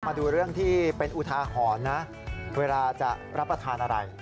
มาดูเรื่องที่เป็นอุทาหรณ์นะเวลาจะรับประทานอะไร